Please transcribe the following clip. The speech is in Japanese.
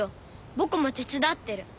僕も手伝ってる。